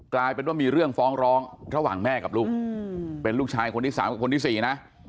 กลายเป็นว่ามีเรื่องฟ้องร้องระหว่างแม่กับลูกเป็นลูกชายคนที่๓กับคนที่๔นะ